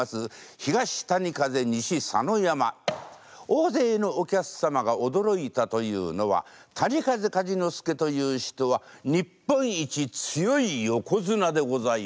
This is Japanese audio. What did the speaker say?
大勢のお客様がおどろいたというのは谷風梶之助という人は日本一強い横綱でございます。